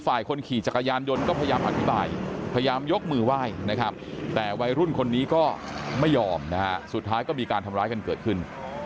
พยายามยกมือไหว้นะครับแต่วัยรุ่นคนนี้ก็ไม่ยอมนะฮะสุดท้ายก็มีการทำร้ายกันเกิดขึ้น